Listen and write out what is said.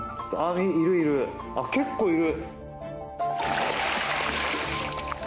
結構いる！